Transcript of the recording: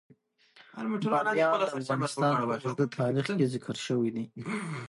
بامیان د افغانستان په اوږده تاریخ کې ذکر شوی دی.